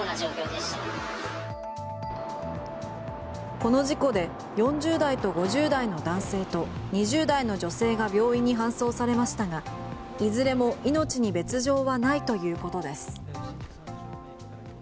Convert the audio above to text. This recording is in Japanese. この事故で４０代と５０代の男性と２０代の女性が病院に搬送されましたがいずれも命に別状はないということです。